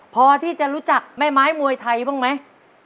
พอที่จะรู้จักแม่ไม้มวยไทยบ้างไหม